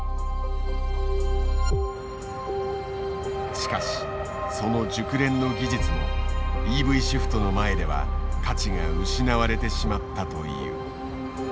しかしその熟練の技術もＥＶシフトの前では価値が失われてしまったという。